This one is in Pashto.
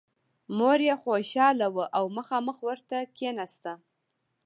مور یې خوشحاله وه او مخامخ ورته کېناسته